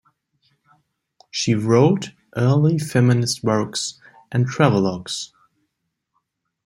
She wrote early feminist works and travelogues.